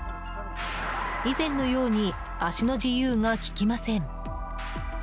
以前のように足の自由が利きません。